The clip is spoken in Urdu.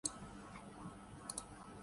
عام آملیٹ میں چینی ڈال دو